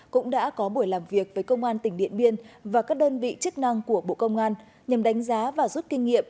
cũng đã có buổi làm việc với công an tỉnh điện biên và các đơn vị chức năng của bộ công an nhằm đánh giá và rút kinh nghiệm